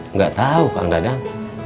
nggak tau kang dadang